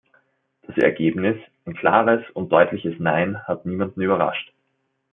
Das Ergebnis, ein klares und deutliches Nein, hat niemanden überrascht.